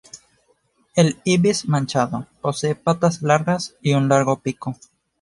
El ibis manchado, posee patas largas y un largo pico.